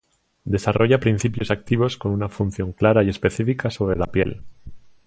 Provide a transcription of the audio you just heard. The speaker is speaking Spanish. Desarrolla principios activos con una función clara y específica sobre la piel.